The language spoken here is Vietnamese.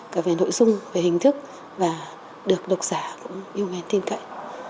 cả về nội dung về hình thức và được độc giả cũng yêu ngày tin cậy